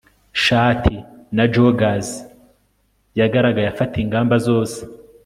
shati na joggers yagaragaye afata ingamba zose